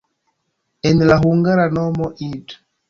En la hungara nomo "id.